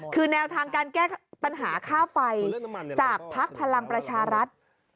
คือแนวทางการแก้ปัญหาค่าไฟจากภักดิ์พลังประชารัฐ